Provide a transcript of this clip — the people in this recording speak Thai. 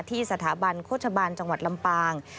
ที่สถาบันโฆษบาลจังหวัดลำปาง